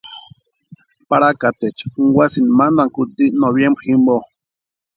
Parakateecha junkwasínti mantani kutsï noviembre jimpo.